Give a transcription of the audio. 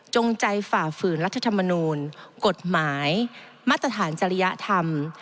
ใจฝ่าฝืนรัฐธรรมนูลกฎหมายมาตรฐานจริยธรรม